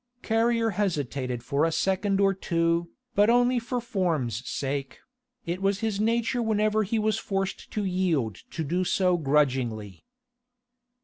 Carrier hesitated for a second or two, but only for form's sake: it was his nature whenever he was forced to yield to do so grudgingly.